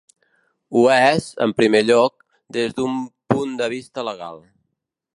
Ho és, en primer lloc, des d’un punt de vista legal.